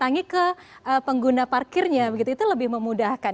jadi ke pengguna parkirnya begitu itu lebih memudahkan